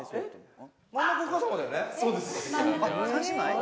真ん中お母様だよね？